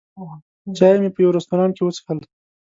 چای مې په یوه رستورانت کې وڅښل.